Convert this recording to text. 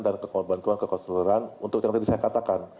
dan kebantuan ke konsuleran untuk yang tadi saya katakan